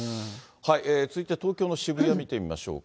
続いて、東京の渋谷見てみましょうか。